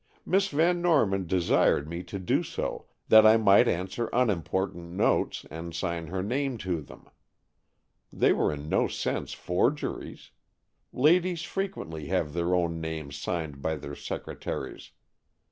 "Miss Van Norman desired me to do so, that I might answer unimportant notes and sign her name to them. They were in no sense forgeries. Ladies frequently have their own names signed by their secretaries.